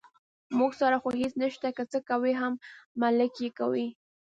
موږ سره خو هېڅ نشته، که څه کوي هم ملک یې کوي.